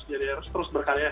jadi harus terus berkarya